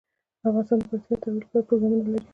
افغانستان د پکتیا د ترویج لپاره پروګرامونه لري.